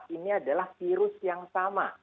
ini adalah virus yang sama